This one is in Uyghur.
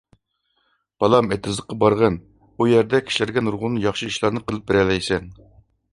بالام، ئېتىزلىققا بارغىن، ئۇ يەردە كىشىلەرگە نۇرغۇن ياخشى ئىشلارنى قىلىپ بېرەلەيسەن!